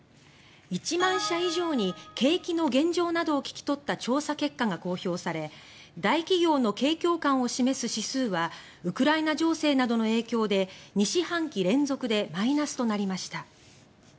１万社以上に景気の現状などを聞き取った調査結果が公表され大企業の景況感を示す指数はウクライナ情勢などの影響で２四半期連続でマイナスとなりました。